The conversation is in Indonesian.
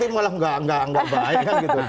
kesannya kan nanti malah enggak bahaya gitu